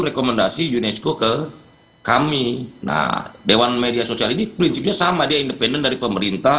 rekomendasi unesco ke kami nah dewan media sosial ini prinsipnya sama dia independen dari pemerintah